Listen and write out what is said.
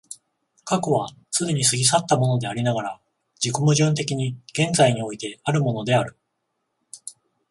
過去は既に過ぎ去ったものでありながら、自己矛盾的に現在においてあるものである。